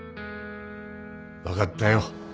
分かったよ。